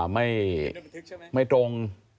ไม่ตรง